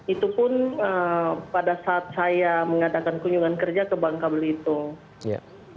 itu pun pada saat saya mengadakan kunjungan kerja ke bangka belitung